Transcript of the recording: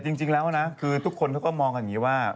แต่จริงแล้วคือทุกคนเขาก็มองอย่างนี้ว่า